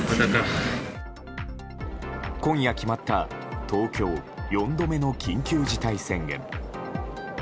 今夜決まった東京、４度目の緊急事態宣言。